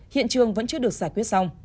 hiện trường vẫn chưa được giải quyết xong